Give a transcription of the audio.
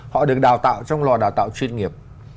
họ được đào tạo trong lò đào tạo chuyên nghiệp